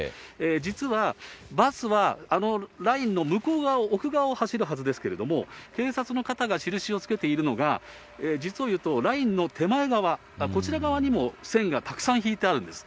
実は、バスはあのラインの向こう側を、奥側を走るはずですけれども、警察の方が印をつけているのが、実を言うと、ラインの手前側、こちら側にも線がたくさん引いてあるんです。